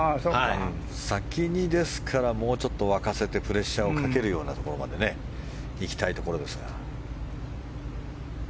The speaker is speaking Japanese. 先にもうちょっと沸かせてプレッシャーをかけるところまで行きたいところですが。